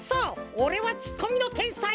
おれはツッコミのてんさい。